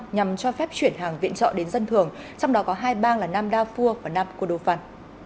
nhằm cho phép chuyển hàng viện trọ đến dân thường trong đó có hai bang là nam darfur và nam kudofan